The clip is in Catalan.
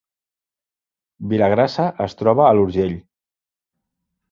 Vilagrassa es troba a l’Urgell